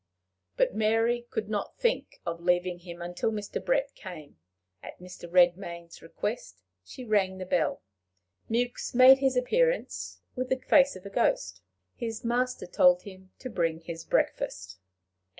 But Mary could not think of leaving him until Mr. Brett came. At Mr. Redmain's request she rang the bell. Mewks made his appearance, with the face of a ghost. His master told him to bring his breakfast.